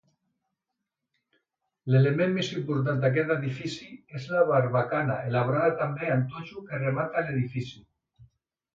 L'element més important d'aquest edifici és la barbacana elaborada també amb totxo que remata l'edifici.